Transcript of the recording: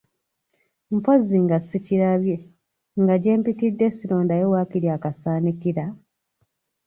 Mpozzi nga ssikirabye, nga gye mpitidde ssirondayo waakiri akasaanikira!